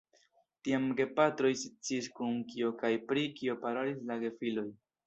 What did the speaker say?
Tiam gepatroj sciis, kun kiu kaj pri kio parolis la gefiloj.